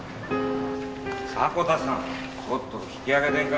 迫田さんとっとと引き揚げてんか。